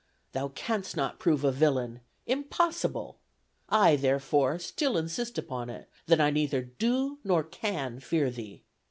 Thou canst not prove a villain, impossible, I, therefore, still insist upon it, that I neither do nor can fear thee.